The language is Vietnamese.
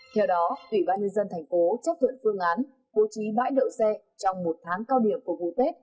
theo đó ủy ban nhân dân tp hcm chấp thuận phương án bố trí bãi đậu xe trong một tháng cao điểm của vụ tết